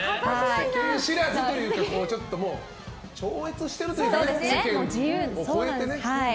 世間知らずというか超越してるというかね。